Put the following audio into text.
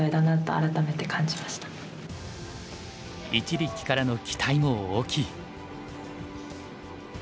一力からの期待も大きい。